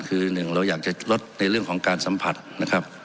คือหนึ่งเราอยากจะลดในเรื่องของการสัมผัสนะครับ